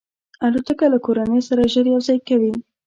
الوتکه له کورنۍ سره ژر یو ځای کوي.